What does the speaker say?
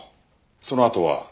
そのあとは？